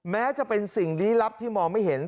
แม้จะเป็นสิ่งลี้ลับที่มองไม่เห็น